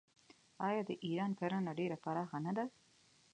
آیا د ایران کرنه ډیره پراخه نه ده؟